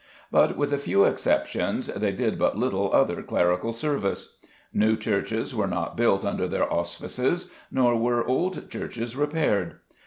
But, with a few exceptions, they did but little other clerical service. New churches were not built under their auspices, nor were old churches repaired.